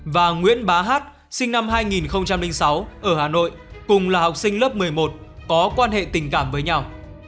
và nguyễn bá hát sinh năm hai nghìn sáu ở hà nội cùng là học sinh lớp một mươi một có quan hệ tình cảm với nhau